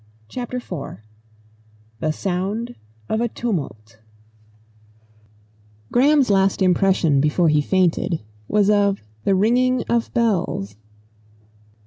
CHAPTER IV THE SOUND OF A TUMULT Graham's last impression before he fainted was of the ringing of bells.